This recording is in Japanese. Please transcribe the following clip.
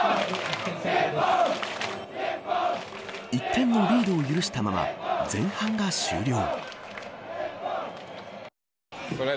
１点のリードを許したまま前半が終了。